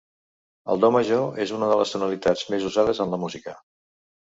El do major és una de les tonalitats més usades en la música.